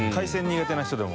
苦手な人でも。